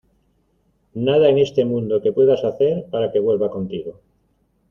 nada en este mundo, que puedas hacer para que vuelva contigo.